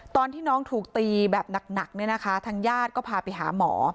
ตอนที่น้องถูกตีแบบหนักเนี่ยนะคะทางญาติก็พาไปหาหมอ